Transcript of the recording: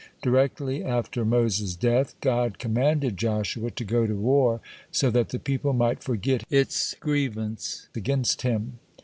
(7) Directly after Moses' death, God commanded Joshua to go to war, so that the people might forget its grievance against him.